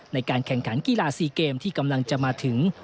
ในการแข่งขันกีฬาซีเกมที่กำลังจะมาถึง